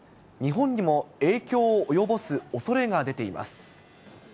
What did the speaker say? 日本にも影響を及ぼすおそれが出ています。